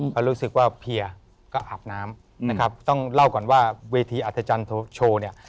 ก็รู้สึกว่าเพียร์ก็อาบน้ำนะครับต้องเล่าก่อนว่าเวทีอัธจันทร์โชว์เนี่ย